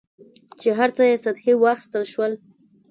چې هر څه یې سطحي واخیستل شول.